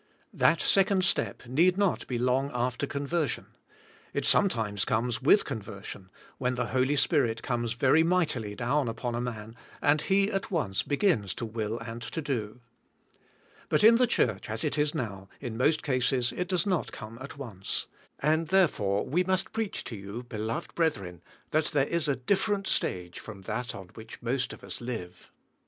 That second step need not be long* after conversion. It sometimes comes with conver sion, when the Holy Spirit comes very mightily down upon a man and he at once begins to will and to do. But in the church as it is now, in most cases it does not come at once, and therefore we must preach to you, beloved brethren, that there is a different stage from that, on which most of us live.